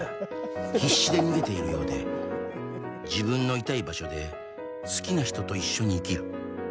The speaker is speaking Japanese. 「必死で逃げているようで」「自分のいたい場所で好きな人と一緒に生きる」